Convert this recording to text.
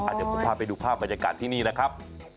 อาจจะพอพาไปดูภาพบรรยากาศที่นี่นะครับ